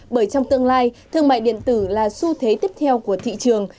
bởi trong tương lai thương mại điện tử là xu thế tiếp theo của thị trường